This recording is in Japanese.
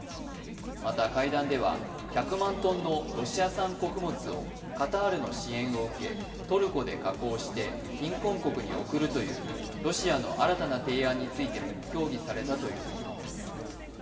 また、会談では１００万トンのロシア産穀物をカタールの支援を受けトルコで加工して貧困国に送るというロシアの新たな提案についても協議されたということです。